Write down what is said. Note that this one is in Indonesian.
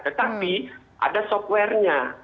tetapi ada software nya